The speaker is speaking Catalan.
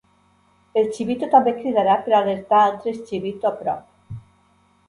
El Shibito també cridarà per alertar altres Shibito a prop.